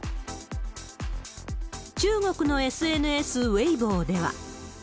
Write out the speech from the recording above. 中国のＳＮＳ、ウェイボーでは。